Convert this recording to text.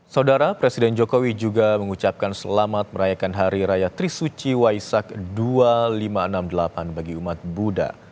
saudara presiden jokowi juga mengucapkan selamat merayakan hari raya trisuci waisak dua ribu lima ratus enam puluh delapan bagi umat buddha